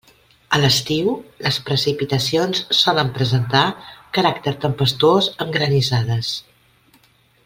A l'estiu les precipitacions solen presentar caràcter tempestuós amb granissades.